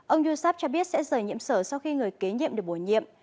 ông yosap cho biết sẽ rời nhiệm sở sau khi người kế nhiệm được bổ nhiệm